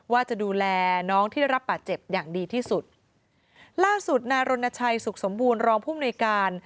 ว่าจะดูแลน้องที่ได้รับบาดเจ็บอย่างดีที่สุดล่าสุดนายรณชัยสุขสมบูรณรองผู้มนุยการ